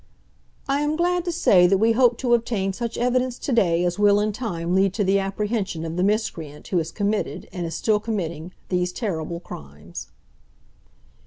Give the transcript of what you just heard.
"I am glad to say that we hope to obtain such evidence to day as will in time lead to the apprehension of the miscreant who has committed, and is still committing, these terrible crimes."